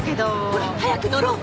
ほら早く乗ろう！